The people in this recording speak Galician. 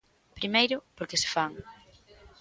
Primeiro, porque se fan.